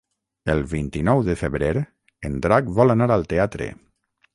El vint-i-nou de febrer en Drac vol anar al teatre.